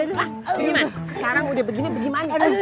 hah gimana sekarang udah begini gimana